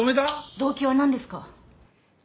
動機はなんですか？